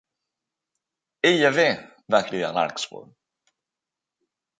"Ella ve!", va cridar Larkspur.